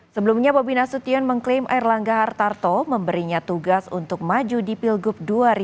sebelumnya bobi nasution mengklaim air langga hartarto memberinya tugas untuk maju di pilgub dua ribu dua puluh empat